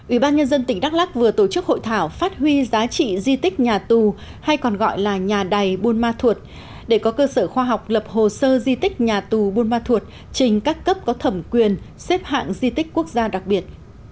ủy ban nhân dân tỉnh đắk lắc vừa tổ chức hội thảo phát huy giá trị di tích nhà tù hay còn gọi là nhà đài buôn ma thuột để có cơ sở khoa học lập hồ sơ di tích nhà tù buôn ma thuột trình các cấp có thẩm quyền xếp hạng di tích quốc gia đặc biệt